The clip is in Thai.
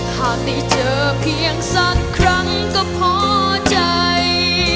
หากได้เจอเพียงสักครั้งก็พอใจ